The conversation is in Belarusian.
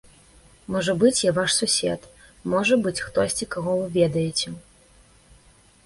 Можа быць, я ваш сусед, можа быць, хтосьці, каго вы ведаеце.